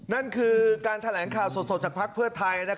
นั่นคือการแถลงข่าวสดจากภักดิ์เพื่อไทย